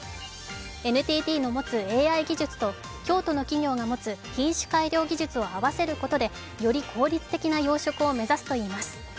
ＮＴＴの持つＡＩ技術と京都の企業が持つ品種改良技術を合わせることでより効率的な養殖を目指すといいます。